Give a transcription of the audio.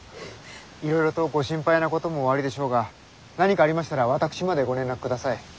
いろいろとご心配なこともおありでしょうが何かありましたら私までご連絡ください。